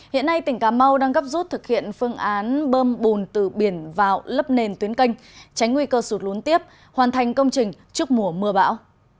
hiện nay tỉnh cà mau đang gấp rút thực hiện phương án bơm bùn từ biển vào lấp nền tuyến canh tránh nguy cơ sụt lún tiếp hoàn thành công trình trước mùa mưa bão